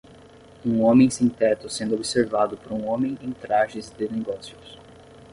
Um homem sem-teto sendo observado por um homem em trajes de negócios.